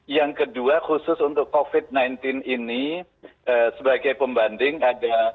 yang kedua khusus untuk covid sembilan belas ini sebagai pembanding ada